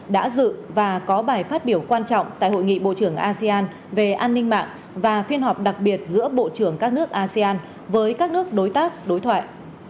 đã dự và có bài phát biểu quan trọng tại hội nghị bộ trưởng asean về an ninh mạng và phiên họp đặc biệt giữa bộ trưởng các nước asean với các nước đối tác đối thoại